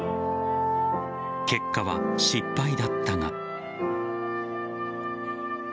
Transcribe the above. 結果は失敗だったが。